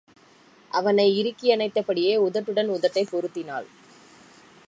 அவளை இறுக்கியணைத்தபடியே உதட்டுடன் உதட்டைப் பொருத்தினாள்.